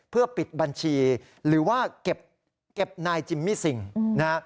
เพื่อปิดบัญชีหรือว่าเก็บนายจิมมี่ซิงนะฮะ